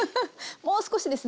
もう少しですね。